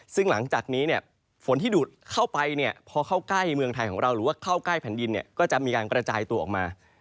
ซึ่งหลังจากนี้เนี่ยฝนที่ดูดเข้าไปเนี่ยพอเข้าใกล้เมืองไทยของเราหรือว่าเข้าใกล้แผ่นดินก็จะมีการกระจายตัวออกมา